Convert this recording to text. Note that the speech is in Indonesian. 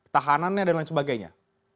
tahanannya dan lain sebagainya